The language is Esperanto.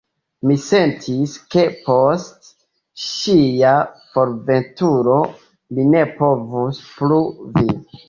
Mi sentis, ke post ŝia forveturo, mi ne povus plu vivi.